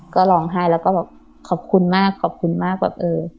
ก็ร้องไห้แล้วก็บอกขอบคุณมากขอบคุณมากแบบเออ